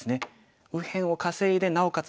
右辺を稼いでなおかつ